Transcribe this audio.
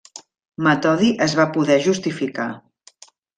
Metodi es va poder justificar.